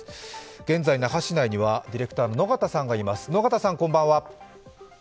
現在、那覇市内にはディレクターの野方さんがいます。